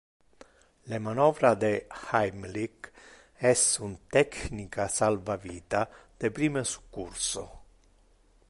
Le manovra de Heimlich es un technica salva-vita de prime succurso.